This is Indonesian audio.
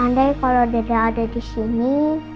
andai kalau dede ada disini